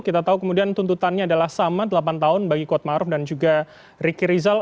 kita tahu kemudian tuntutannya adalah sama delapan tahun bagi kuatmaruf dan juga ricky rizal